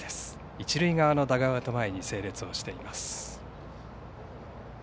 一塁側のダグアウト前に整列しています。